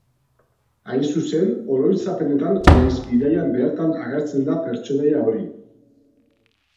Hain zuzen, oroitzapenetan nahiz bidaian bertan agertzen da pertsonaia hori.